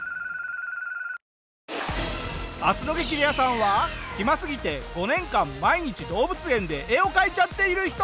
明日の『激レアさん』は暇すぎて５年間毎日動物園で絵を描いちゃっている人。